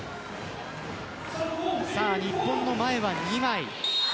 日本の前は２枚。